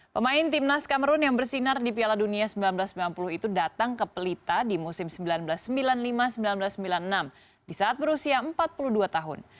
pemain timnas kamrun yang bersinar di piala dunia seribu sembilan ratus sembilan puluh itu datang ke pelita di musim seribu sembilan ratus sembilan puluh lima seribu sembilan ratus sembilan puluh enam di saat berusia empat puluh dua tahun